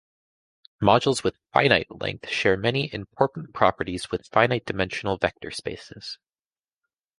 Modules with "finite" length share many important properties with finite-dimensional vector spaces.